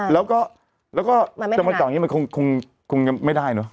แล้วก็แล้วก็จำเป็นจากอย่างนี้มันคงไม่ได้เนอะ